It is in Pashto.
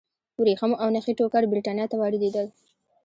ورېښم او نخي ټوکر برېټانیا ته واردېدل.